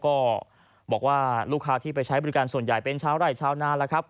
ก็บอกว่าลูกค้าที่ไปใช้บริการส่วนใหญ่เป็นชาวไร่ชาวนานแล้วครับ